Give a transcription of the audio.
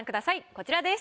こちらです。